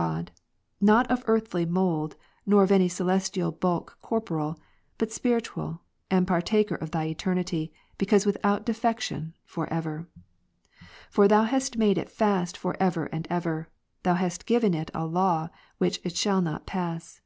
259 God "^5 not of earthly mould, nor of any celestial bulk cor poreal, but spiritual, and partaker of Thy eternity, because without defection for ever. For Thou hast made it fast for Ps. 148, ever and ever, Thou hast given it a law which it shall not ^' pass.